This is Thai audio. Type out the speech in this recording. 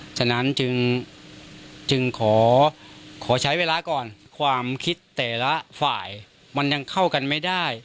ฉะนั้นจึงขอใช้เวลาก่อนความคิดแต่ละฝ่ายมันยังเข้ากันไม่ได้